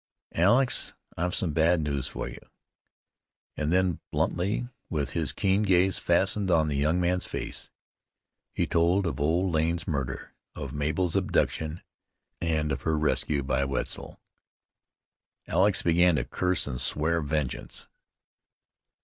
"Alex, I've some bad news for you," and then bluntly, with his keen gaze fastened on the young man's face, he told of old Lane's murder, of Mabel's abduction, and of her rescue by Wetzel. Alex began to curse and swear vengeance.